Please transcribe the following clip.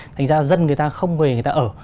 thành ra dân người ta không về người ta ở